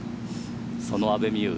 その阿部未悠。